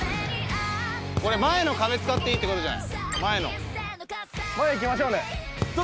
これ前の壁、使っていいってことじゃない？